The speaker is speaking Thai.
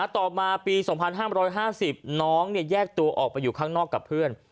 ต่อมาปี๒๕๕๐น้องแยกตัวออกไปอยู่ข้างนอกกับเพื่อน